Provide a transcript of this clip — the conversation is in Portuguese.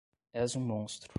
És um monstro